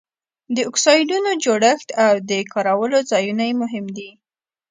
د اکسایډونو جوړښت او د کارولو ځایونه یې مهم دي.